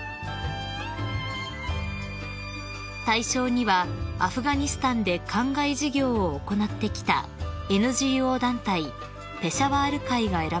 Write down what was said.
［大賞にはアフガニスタンでかんがい事業を行ってきたＮＧＯ団体ペシャワール会が選ばれました］